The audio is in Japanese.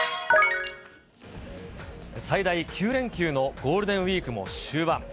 最大９連休のゴールデンウィークも終盤。